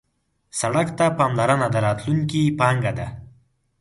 سړک ته پاملرنه د راتلونکي پانګه ده.